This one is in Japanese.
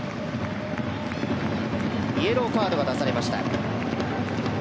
イエローカードが出されました。